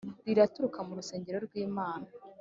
Riraturuka mu rusengero rwimana